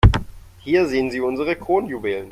Hier sehen Sie unsere Kronjuwelen.